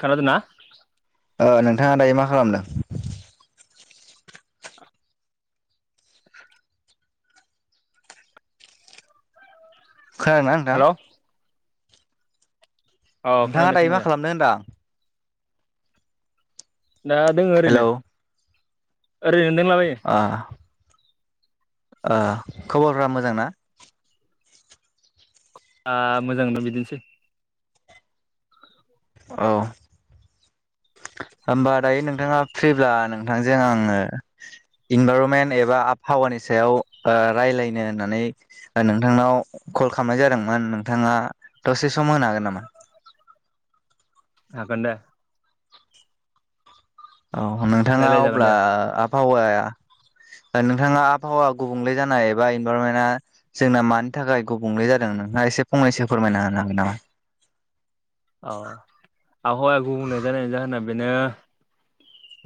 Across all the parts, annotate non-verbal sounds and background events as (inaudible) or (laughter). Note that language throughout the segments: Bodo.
खानादों ना? नोंथाङा दायो मा खालामदों? खोनादोंना नोंथां हेल'? अ नोंथाङा खोनादों दायो मा खोनादों खालामदों होनदां? दा दोङ ओरैनो हेलौ ओरैनो दोंलाबायो। अह। खबरफ्रा मोजां ना? मोजां ना बिदिनोसै। औ। होमबा दायो नोंथाङा फ्रिब्ला नोंथांजों आङो इनभाइरनमेन्ट एबा आबहावानि सायाव रायलायनो होननानै नोंथांनाव कल खालामनाय जादोंमोन नोंथाङा दसे सम होनो हागोन नामा? हागोन दे। औ नोंथाङा रायलायजागोन अब्ला दे आबहावाया नोंथाङा आबहावा गुबुंले जानाय एबा इनभारमेन्टा जोंना मानि थाखाय गुबुंले जादों नोंहा एसे फंनैसो फोरमायना होनो हागोन नामा? अ आबहावाया गुबुंले जानायनि जाहोना बेनो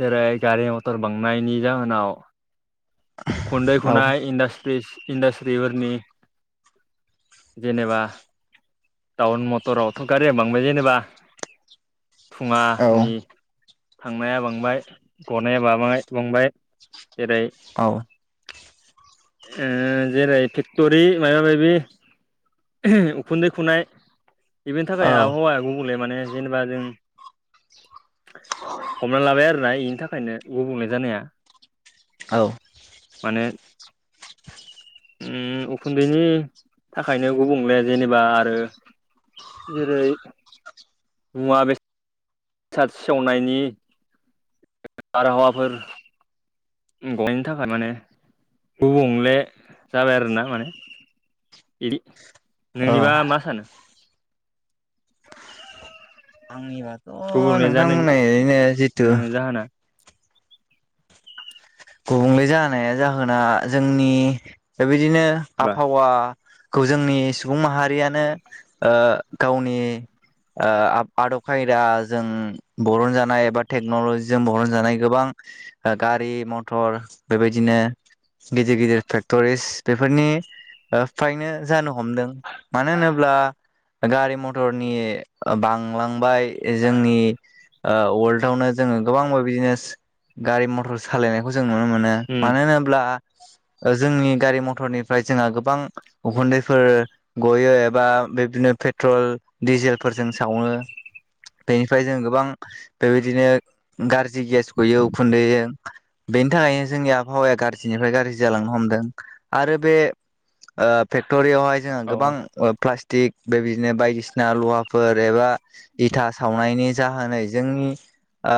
जेरै गारि मथर बांनायनायनि जाहोनाव खुन्दै खुनाय औ इास्ट्रि इन्डास्ट्रिफोरनि जेनेबा टाउन मटरावथ' गारि बांद्राय जेनेबा फुङानि औ थांनाया बांबाय गनाया बांबाय जेरै औ ओ जेरै फेक्ट'रि मायबा माबि उखुन्दै खुनाय बेफोरनि थाखाय औ आबहावाया गुबले माने जेनेबा जों हमना लाबाय आरो। फ्राय बेनि थाखायनो गुबुंले जानाया। औ। माने उम उखुन्दैनि थाखायनो गुबुंले जेनेबा आरो जेरै मुवा बेसाद बेसाद सेवनायनि बारहावाफोर गनायनि थाखाय माने गुबुंले जाबाय आरोना माने। बिदि औ नोंनिबा मा सानो? (inaudible) आंनिबाथ' गुबुंले जानाय नोंथांमोना ओरैनो जिथु ओ जाहोना गुबुंले जानाया जाहोना जोंनि बेबायदिनो बा आबहावा खौ जोंनि सुबुं माहारियानो ओ गावनि। आदब खायदा जों बरनजानाय एबा टेक्न'ल'जिजों बरन जानाय गोबां गारि म मटर बेबायदिनो गिदिर गिदिर फेक्ट'रिस बेफोरनि ओ फ्रायनो जानो हमदों मानो होनोब्ला। गारि मथरनि बांलांबाय जोंनि वर्ल्डआवनो जोंङो गोबां बिदिनो गारि मथर सालायनाय खौ जों नुनो मोनो। उम मानो होनोब्ला जोंनि गारि मथरनिफ्राय जोंहा गोबां उखुन्दैफोर गयो एबा बिदिनो पेट्रल डिजेलफोरजों सावो। बेनिफ्राय जों गोबां बेबायदिनो गाज्रि गेस गयो उखुन्दैजों। बेनि थाखायनो जोंनि आबहावाया गाज्रिनिफ्राय गाज्रि जालांनो हमदों आरो बे फेक्ट'रियावहाय जोंङो औ गोबां प्लास थिग बेबायदिनो बायदिसिना लहाफोर एबा इथा सावनायनि जाहोनैजों ओ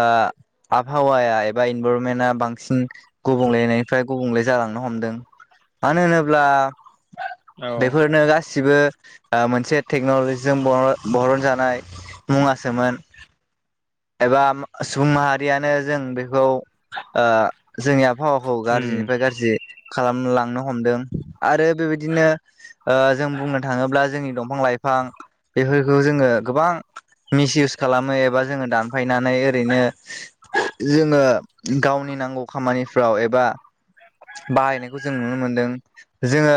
आबहावाया एबा इनभारनमेन्टआ बां सिन गुबुंलेनिफ्राय गुबुंले जालांनो हमदों। मानो होनोब्ला औ बेफोरनो गासिबो मोनसे टेक्न'लजिजों बर-बरन जानाय मुङासोमोन। एबा सुबुं माहारियानो जों बेखौ ओ जोंनि आबहावाखौ उम गाज्रिनिफ्राय गाज्रि खालामलांनो हमदों आरो बेबायदिनो ओ जों बुंनो थांङोब्ला जोंनि दंफां लाइफां बेफोरखौ जोंङो गोबां मिस इउस खालामो एबा जोंङो दानफायनानै ओरैनो जोंङो गावनि नांगौ खामानिफ्राव एबा बाहायनायखौ जों नुनो मोनदों जोंङो।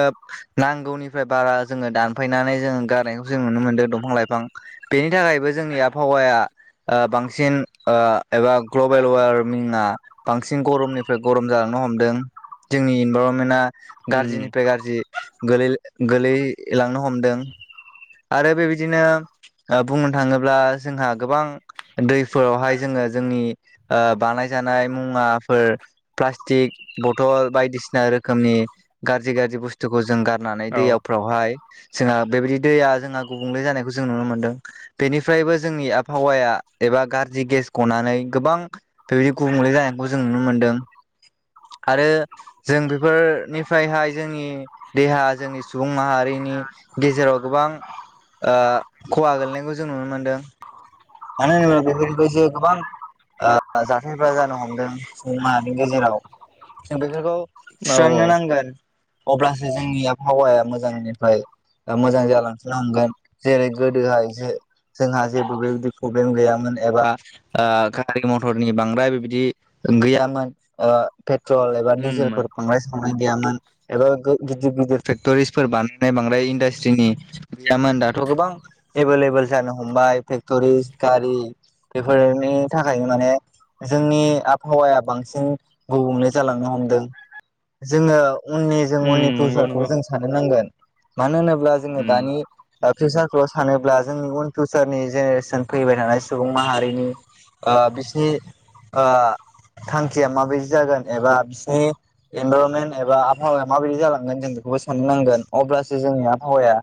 नांगौनिफ्राय बारा जोंङो दानफायनानै जोंङो गारनायखौ जों नुनो मोन्दों दंफां लाइफां। बेनि थाखायबो जोंनि आबहावाया। ओ बांसिन एबा ग्लबेल वारमिंआ सिन गरमनिफ्राय गरम जालांनो हमदों। जोंनि इनभारनमेन्टआ उम गाज्रिनिफ्राय गाज्रि गोलै-गोलैलांनो हमदों। आरो बेबायदिनो बुंनो थांङोब्ला जोंहा गोबां दैफोरावहाय जोंङो जोंनि ओ बानायजानाय मुवाफोर प्लास्टिक बथल बायदिसिना रोखोमनि गाज्रि गाज्रि बुस थुखौ जों गारनानै औ दैयावफ्रावहाय जोंहा बेबायदि दैया जोंहा गुबुंले जानायखौ जों नुनो मोनदों। बेनिफ्रायबो जोंनि आबहावाया एबा गाज्रि गेस गनानै गोबां। बेबायदि गुबुंले जानायखौ जों नुनो मोनदों। आरो जों बेफोरनिफ्रायहाय जोंनि देहा जोंनि सुबुं माहारिनि गेजेराव गोबां ओ खहा गोलैनायखौ जों नुनो मोनदों। मानो होनोब्ला बेफोरबायदि गोबां ओ जाथायफोरा जानो हमदों सुबुंमाहारिनि गेजेराव जों बेफोरखौ औ औ सुस्रांनो नांगोन, अब्लासो जोंनि आबहावाया मोजांनिफ्राय मोजां मोजां जालांफिननो हमगोन। जेरै गोदोहाय जे जोंहा जेबो बेबायदि प्रब्लेम गैयामोन एबा गारि मथरनि बांद्राय बेबायदि गैयामोन, ओ पेट्रल एबा उम डिजेलफोर उम बांद्राय सावनाय गैयामोन। एबा गिदिर गिदिर फेक्ट'रिसफोर बानायनानै बांद्राय इदा स्थ्रिनि गैयामोन दाथ' गोबां एबे लेबोल जानो हमबाय फेक्टरि गारि बेफोरनि थाखाय माने जोंनि आबहावाया बांसिन गुबुंले जालांनो हमदों। जोंङो उननि जों उननि नंगौ फिउसारखौ नंगौ जों सानहर नांगोन। मानो होनोब्ला जोंङो उम दानि फिउसारखौ सानोब्ला जोंनि उन फिउचारनि जेनेरेसन फैबाय थानाय सुबुं माहारिनि ओ बिसिनि ओ थांखिया माबायदि जागोन एबा बिसनि इनभारनमेन्ट एबा आबहावाया माबायदि जालांगोन जों बेखौबो साननो नांगोन अब्लासो जोंनि आबहावाया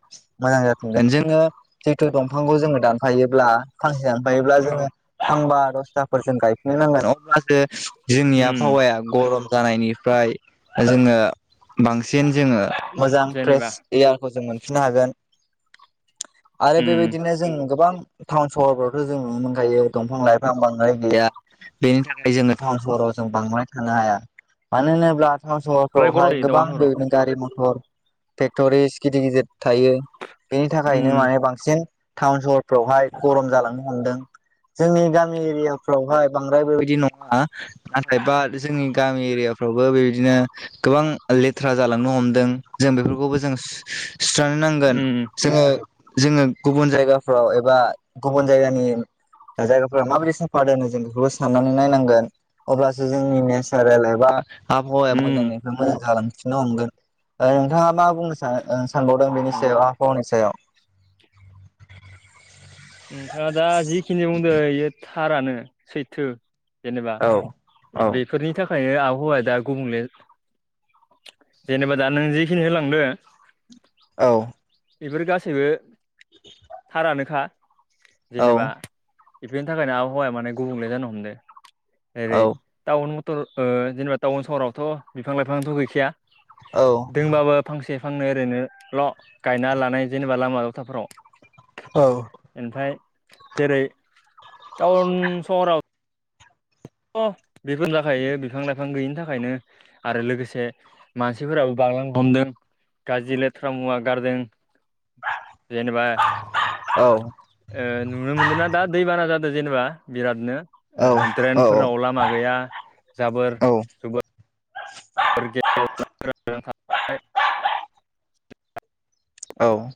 मोजां जाफिनगोन। जोङो जिहेथु दंफांखौ जोङो दानफायोब्ला फांसे दानफायोब्ला जोङो औ फांबा दसथाफोरजों गायफिननो नांगोन अब्लासो जोंनि उम आबहावाया गरम जानायनि फ्राय जोङो बांसिन जोङो मोजां फ्रेस जेनेबा एयार खौ जों मोनफिननो हागोन आरो उम बेबायदिनो जों गोबां टाउन सहरफोरावथ' जों नुनो मोनखायो दंफां लाइफां बांद्राय गैया बेनि थाखाय जोङो टाउन सहराव जों बांद्राय थानो हाया। मानो होनोब्ला टाउन बांद्राय गरम सहरफ्रावहाय जायो गोबां टाउन सहराव बेनो गारि मथर फेक्ट'रिस गिदिर गिदिर थायो बेनि थाखायनो उम माने बांसिन टाउन सहरफ्रावहाय गरम जालांनो हमदों जोंनि गामि एरियाफ्रावहाय बांद्राय बेबायदि नङा नाथाय बा जोंनि गामि एरियाफ्रावबो बेबादिनो गोबां लेथ्रा जालांनो हमदों जों बेफोरखौबो जों सुस्रानो नांगोन उम जोङो जोङो गुबुन जायगाफ्राव एबा गुबुन जायगानि दा जायगाफोरा माबायदि साफा दोनो जों बेखौबो साननानै नायनांगोन अब्लासो जोंनि नेसारेल एबा आबहावाया उम मोजांनिफ्राय मोजां जालांफिननो हमगोन नोंथाङा मा बुंनो सान सानबावदों बेनि नंगौ सायाव आबहावानि सायाव नोंथाङा दा जिखिनि बुंदों बे थारानो सैथो जेनेबा औ औ बेफोरनि थाखायनो आबहावाया दा गुबुंले जेनेबा दा नों जिखिनि होनलांदो औ बेफोर गासैबो थारानोखा औ जेनेबा बेफोरनि थाखायनो आबहावाया माने गुबुंले जानो हमदों ओरै औ टाउन मथर जेनेबा टाउन सहरावथ' बिफां लाइफांथ' गैखाया औ दोंबाबो फांसे फांनै ओरैनोल' गायना लानाय जेनेबा लामा लथाफोराव औ ओमफ्राय जेरै टाउन सहराव बेफोरनो जाखायो बिफां लाइफां गैयिनि थाखायनो आरो लोगोसे मानसिफोराबो बांलांनो हमदों गाज्रि लेथ्रा मुवा गारदों जेनेबा औ नुनो मोनदों ना दा दैबाना जादों जेनेबा बिरादनो औ औ फोराव लामा गैया जाबोर औ आरो ग (unintelligible) ग थ (unintelligible) औ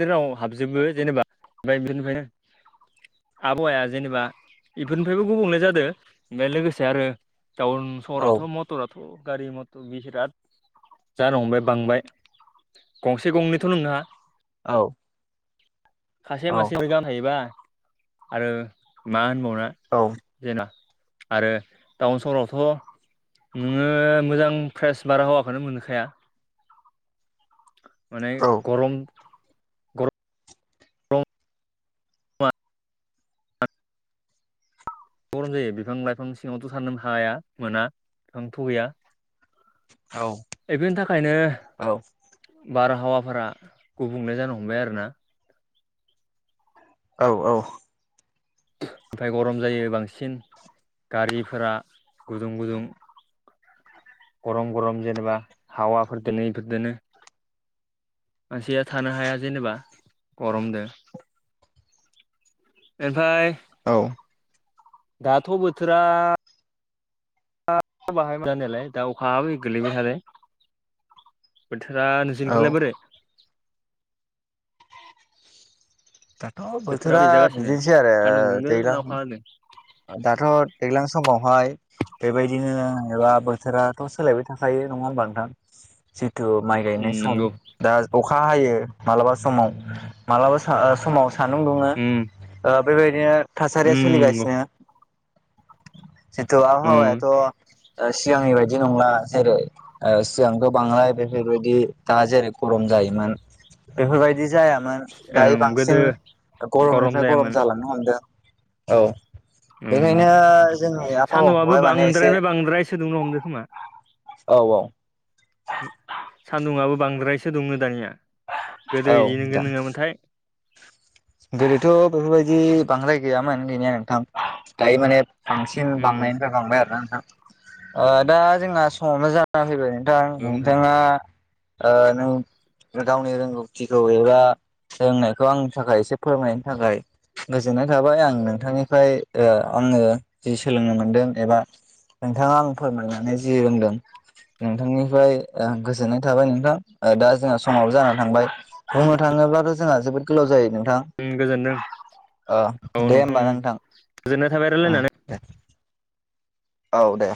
जेराव हाबजोबो जेनेबा ओमफ्राय बिसनिफ्रायनो आबहावाया जेनेबा बेफोरनिफ्रायबो गुबुंले जादों ओमफ्राय लोगोसे आरो टाउन सहरावथ' म मटराथ' गारि मथर बिराद जानो हमबाय बांबाय गंसे गंनैथ' नोंङा औ सासे मासे रोगान थायोबा आरो मा होनबावना औ जेना आरो टाउन सहरावथ' नोङो मोजां फ्रेस बारहावाखौनो मोनखाया माने गरम बा गरम जायो बिफां लाइफां सिङावथ' साननो हाया मोना बिफां थ' गैया बे बेनि थाखायनो बारहावाफोरा गुबुंले जानो हमबाय आरोना औ औ ओमफफ्राय गरम जायो बांसिन गारिफोरा गुदुं गुदुं गरम गरम जेनेबा हावाफोरदोंनो इफोरदोंनो मानसिया थानो हाया जेनेबा गरमजों बेनिफ्राय औ दाथ' बोथोरा बाहाय मोन नालाय दा अखायाबो गोलैबाय थादों बोथोरा औ नुजनिखलाय बोरै औ बोथोरा बोरै जागासिनो बिदिनोसै आरो सान्दुं दुंदों दैलां (unintelligible) दाथ' दैेग्लां समावहाय बेबायदिनोबा बोथोराथ' सोलायबाय थाखायो नङा होमबा नोंथां? जितु माइ उम गायनाय सम नंगौ दा अखा हायो मालाबा समाव मालाबा समाव सान्दुं दुङो उम बेबायदिनो उम थासारिया नंगौ सोलिगासिनो जितु उम आबहावायाथ' सिगांनि बायदि नंला जेरै ओ सिगांथ' बांलाय बेफोरबायदि दा जेरै गरम जायोमोन। बेफोरबायदि जायामोन। दायो ओं गोदो बांसिन गरमनिफ्राय गरम जालांनो हमदों औ उम बेखायनो जोंनि सान्दुंआबो आबहावाखौहाय माने एसे बांद्रायनिफ्राय बांद्रायसो दुंनो औ औ सान्दुङाबो बांद्रायसो दुङो दानिया गोदो औ इदि दा नगोन नङा मोनथाय गोदोथ' बेफोरबायदि बांद्राय गैयामोन गैनाया नोंथां दायो माने बांसिन उम बांनायनिफ्राय बांबाय आरोना नोंथां दा जोंना समाव मोजां (unintelligible) बाय नोंथां नंगौ नोंथां नोंथाङा नों गावनि रोंगौथिखौ एबा रोंनायखौ आंनि थाखाय एसे फोरमायनो थाखाय गोजोननाय थाबाय आं नोंथांनिफ्राय आङो जि सोलोंनो मोनदों एबा नोंथाङा आं फोरमायनानै जि बुंदों नोंथांनिफ्राय गोजोननाय थाबाय नोंथां दा जोंहा समाव जा थांबाय बुंनो थाङोब्लाथ' जोंहा जोबोद गोलाव जायो नोंथां गोजोनदों ओ औ दे नों गोजोननाय थाबाय रलायनानै द औ दे